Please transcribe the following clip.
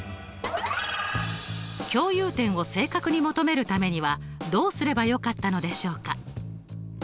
共有点を正確に求めるためにはどうすればよかったのでしょうか？